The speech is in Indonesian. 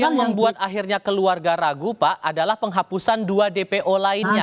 yang membuat akhirnya keluarga ragu pak adalah penghapusan dua dpo lainnya